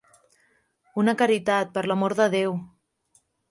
Una caritat, per l'amor de Déu!